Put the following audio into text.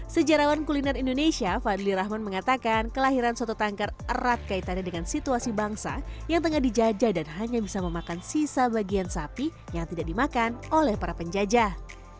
sejarawan kuliner indonesia fadli rahman mengatakan kelahiran soto tangkar erat kaitannya dengan situasi bangsa yang tengah dijajah dan hanya bisa memakan sisa bagian sapi yang tidak dimakan oleh para penjajah